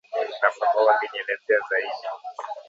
na Famau angenielezea zaidi